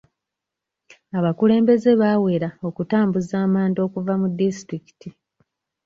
Abakulembeze baawera okutambuza amanda okuva mu disitulikiti.